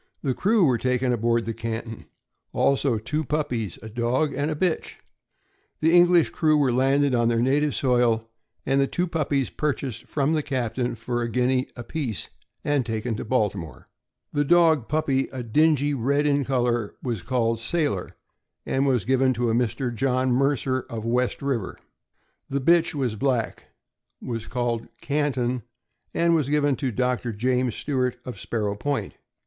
The crew were taken aboard the Canton; also two puppies, a dog and a bitch. The English crew were landed on their native soil, and the two puppies purchased from the captain for a guinea apiece and taken to Baltimore. I CHESAPEAKE BAY DOG— POLLY. Owned by Jay F. Towner, Perryman's, Maryland, The dog puppy, a dingy red in color, was called Sailor, and was given to a Mr. John Mercer, of West River. The bitch was black, was called Canton, and was given to Dr. James Stewart, of Sparrow Point.